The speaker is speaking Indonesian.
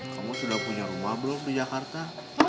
kamu sudah punya rumah belum di jakarta